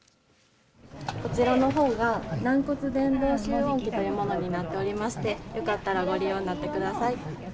こちらの方が軟骨伝導集音器というものになっておりましてよかったらご利用になってください。